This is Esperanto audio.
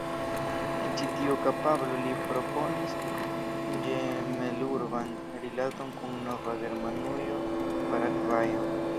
En ĉi tiu kapablo li proponis ĝemel-urban rilaton kun Nova Germanujo, Paragvajo.